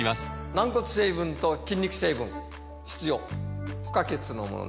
軟骨成分と筋肉成分必要不可欠のものです